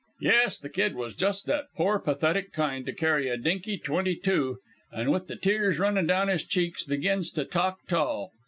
"Yes, the kid was just that pore, pathetic kind to carry a dinky twenty two, and with the tears runnin' down his cheeks begins to talk tall.